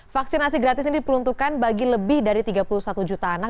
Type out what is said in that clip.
vaksinasi gratis ini diperuntukkan bagi lebih dari tiga puluh satu juta anak